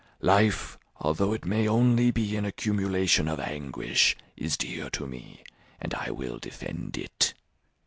Life, although it may only be an accumulation of anguish, is dear to me, and I will defend it.